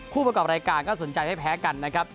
ผู้ประกอบรายการก็สนใจไม่แพ้กันนะครับ